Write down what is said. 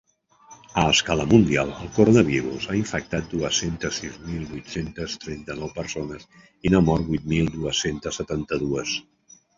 A escala mundial, el coronavirus ha infectat dues-centes sis mil vuit-cents trenta-nou persones i n’ha mort vuit mil dues-centes setanta-dues.